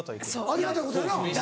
ありがたいことやな。